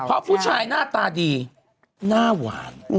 เพราะผู้ชายหน้าตาดีหน้าหวาน